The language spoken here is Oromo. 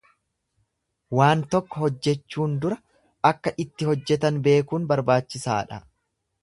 Waan tokko hojjechuun dura akka itti hojjetan beekuun barbaachisaadha.